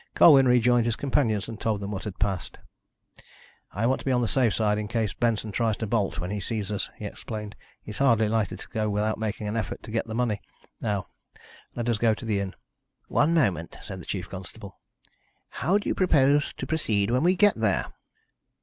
Colwyn rejoined his companions, and told them what had passed. "I want to be on the safe side in case Benson tries to bolt when he sees us," he explained. "He's hardly likely to go without making an effort to get the money. Now, let us go to the inn." "One moment," said the chief constable. "How do you propose to proceed when we get there?"